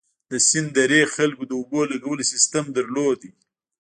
د سند درې خلکو د اوبو لګولو سیستم درلود.